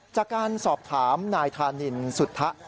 จากการสอบถามนายธานินสุธะ